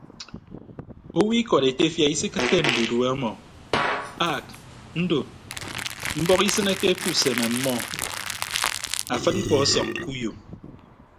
Owo ikọd etefia isikịtte ndudue ọmọ aak ndo mbọk isịneke ke usem ọmmọ afịd mkpọ ọsọñ ke uyo.